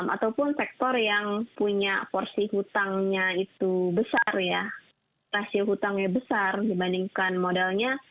ataupun sektor yang punya porsi hutangnya itu besar ya rasio hutangnya besar dibandingkan modalnya